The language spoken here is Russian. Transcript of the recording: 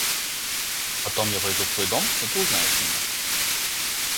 Потом я войду в твой дом и ты узнаешь меня.